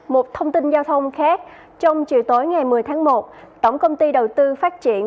một thông tin giao thông khác trong chiều tối ngày một mươi tháng một tổng công ty đầu tư phát triển